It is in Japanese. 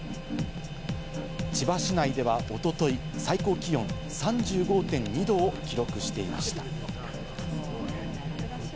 千葉市内ではおととい、最高気温３５．２℃を記録していました。